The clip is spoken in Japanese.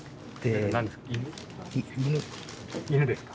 犬ですか？